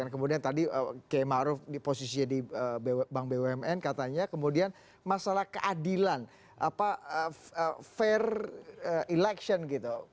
kemudian tadi k maruf diposisi di bank bumn katanya kemudian masalah keadilan fair election gitu